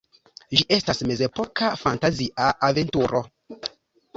Ĝi estas mezepoka fantazia aventuro.